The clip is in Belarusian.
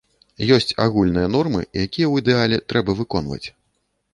Ёсць агульныя нормы, якія ў ідэале трэба выконваць.